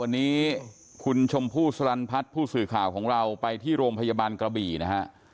วันนี้คุณชมพู่สลันพัฒน์ผู้สื่อข่าวของเราไปที่โรงพยาบาลกระบี่นะฮะ